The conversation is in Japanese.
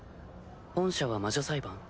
本社は魔女裁判？